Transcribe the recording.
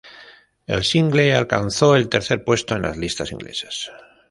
El single alcanzó el tercer puesto en las listas inglesas.